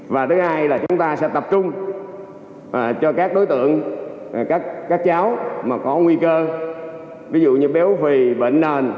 và thứ hai là chúng ta sẽ tập trung cho các đối tượng các cháu mà có nguy cơ ví dụ như béo phì bệnh nền